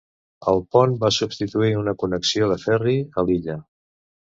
El pont va substituir una connexió de ferri a l'illa.